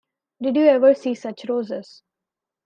Did you ever see such roses?